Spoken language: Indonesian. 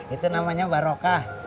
itu namanya barokah